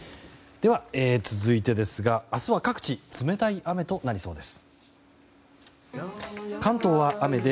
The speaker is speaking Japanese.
では、続いてですが明日は各地冷たい雨となりそうです。